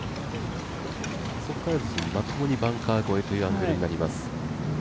そこからバンカー越えというアングルになります。